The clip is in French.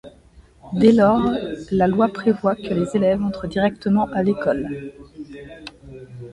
Dès lors, la loi prévoit que les élèves entrent directement à l’École.